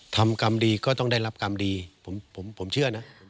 ทำกรรมดีก็ต้องได้รับกรรมดีผมเชื่อนะ